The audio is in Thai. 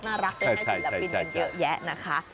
ได้ให้ศิลปินกันเยอะแยะนะคะ